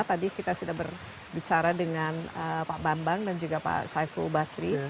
tadi kita sudah berbicara dengan pak bambang dan juga pak saiful basri